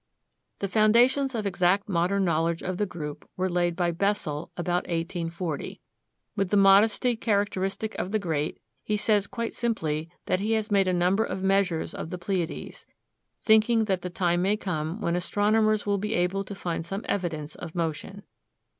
The foundations of exact modern knowledge of the group were laid by Bessel about 1840. With the modesty characteristic of the great, he says quite simply that he has made a number of measures of the Pleiades, thinking that the time may come when astronomers will be able to find some evidence of motion.